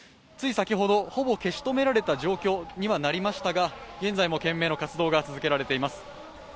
つい先ほど、ほぼ消し止められた状況にはなりましたが、現在も懸命な活動が続けられています。